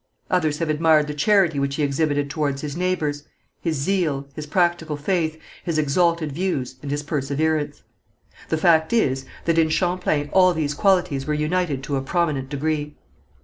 Others have admired the charity which he exhibited towards his neighbours, his zeal, his practical faith, his exalted views and his perseverance. The fact is, that in Champlain all these qualities were united to a prominent degree.